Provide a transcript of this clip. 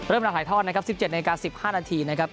เราถ่ายทอดนะครับ๑๗นาที๑๕นาทีนะครับ